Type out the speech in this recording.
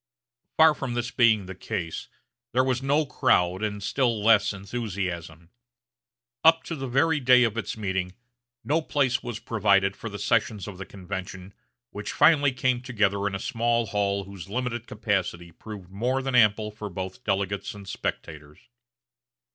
Far from this being the case, there was no crowd and still less enthusiasm. Up to the very day of its meeting no place was provided for the sessions of the convention, which finally came together in a small hall whose limited capacity proved more than ample for both delegates and spectators.